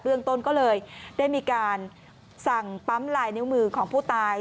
เรื่องต้นก็เลยได้มีการสั่งปั๊มลายนิ้วมือของผู้ตาย